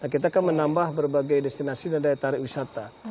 kita kan menambah berbagai destinasi dan daya tarik wisata